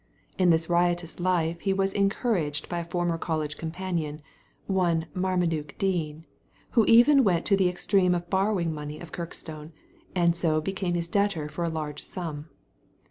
In this riotous life he was encouraged by a former college companion — one Marmaduke Dean — who even went to the extent of borrowing money of Kirkstone, and so became his debtor for a large sum.